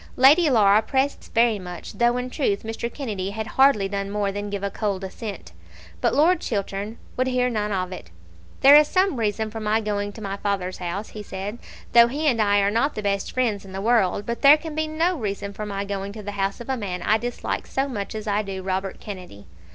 Lady Laura pressed this very much, though in truth Mr. Kennedy had hardly done more than give a cold assent. But Lord Chiltern would not hear of it. "There is some reason for my going to my father's house," said he, "though he and I are not the best friends in the world; but there can be no reason for my going to the house of a man I dislike so much as I do Robert Kennedy."